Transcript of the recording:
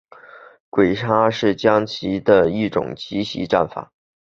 鬼杀是将棋的一种奇袭战法。